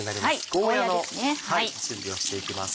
ゴーヤの準備をしていきます。